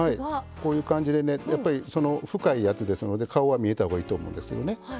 こういう感じで深いやつで顔は見えたほうがいいと思います。